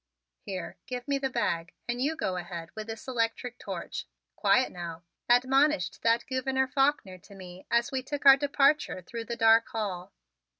"Here, give me the bag, and you go ahead with this electric torch. Quiet now," admonished that Gouverneur Faulkner to me as we took our departure through the dark hall.